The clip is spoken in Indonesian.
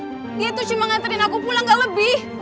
dia tuh cuma nganterin aku pulang gak lebih